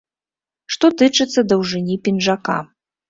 Што тычыцца даўжыні пінжака.